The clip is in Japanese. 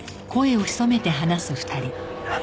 何？